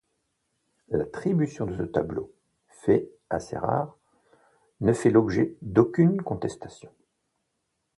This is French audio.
L'attribution de ce tableau, fait assez rare, ne fait l'objet d'aucune contestation.